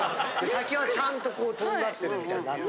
先はちゃんとこうとんがってるみたいになってる。